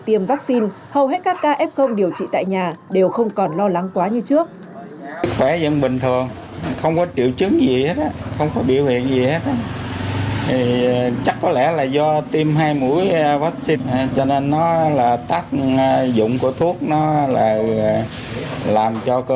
tiêm vaccine hầu hết các ca f điều trị tại nhà đều không còn lo lắng quá như trước